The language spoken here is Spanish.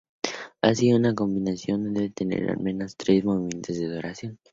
Así, una combinación debe tener al menos tres movimientos de duración.